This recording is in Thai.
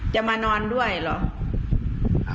จะมานอนด้วยเหรอ